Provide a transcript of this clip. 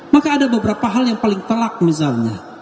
maka ada beberapa hal yang paling telak misalnya